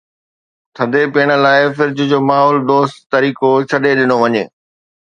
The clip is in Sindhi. ٿڌي پيئڻ لاءِ فرج جو ماحول دوست طريقو ڇڏي ڏنو وڃي.